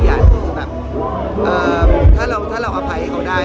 อย่างนี้แบบเอ่อถ้าเราถ้าเราอภัยให้เขาได้